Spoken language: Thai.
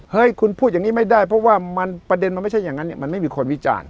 คุณพูดอย่างนี้ไม่ได้เพราะว่าประเด็นมันไม่ใช่อย่างนั้นมันไม่มีคนวิจารณ์